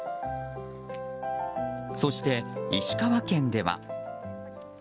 そして、石川県では。